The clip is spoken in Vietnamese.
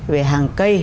về hàng cây